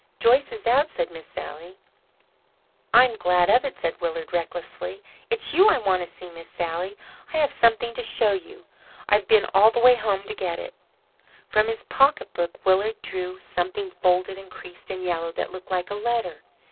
"Joyce is out," said Miss Sally. "I'm glad of it," said Willard recklessly. "It's you I want to see, Miss Sally. I have something to show you. I've been all the way home to get it." From his pocketbook Willard drew something folded and creased and yellow that looked like a letter.